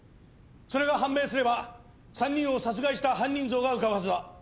それが判明すれば３人を殺害した犯人像が浮かぶはずだ。